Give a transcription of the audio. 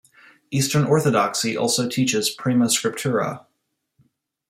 Eastern Orthodoxy also teaches prima scriptura.